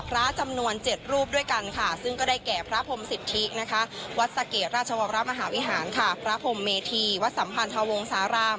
พระจำนวน๗รูปด้วยกันค่ะซึ่งก็ได้แก่พระพรหมสิทธิค่ะ